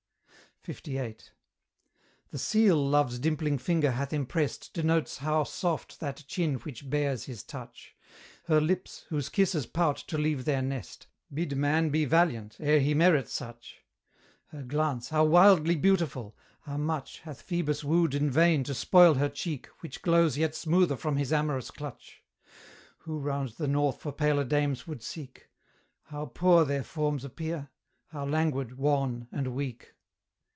LVIII. The seal Love's dimpling finger hath impressed Denotes how soft that chin which bears his touch: Her lips, whose kisses pout to leave their nest, Bid man be valiant ere he merit such: Her glance, how wildly beautiful! how much Hath Phoebus wooed in vain to spoil her cheek Which glows yet smoother from his amorous clutch! Who round the North for paler dames would seek? How poor their forms appear? how languid, wan, and weak!